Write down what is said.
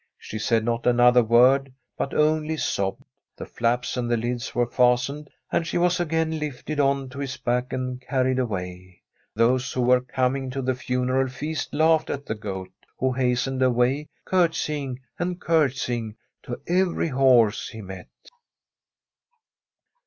Sbe said not another word, but only sct&evL The fiaps and the lids were fastened, aoKf sise was again lifted on to his back and carried awaj. Those who were coming to the funeral least laughed at tbe Goat, who hastened away, cactsris^ and cmtsjing to every horse he met.